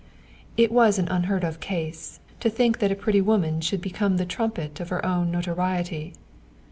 (It was an unheard of case. To think that a pretty woman should become the trumpet of her own notoriety!)